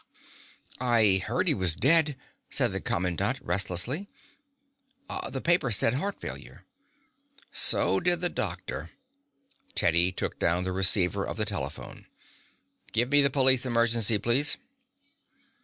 "I heard he was dead," said the commandant restlessly. "The paper said heart failure." "So did the doctor." Teddy took down the receiver of the telephone. "Give me police emergency, please."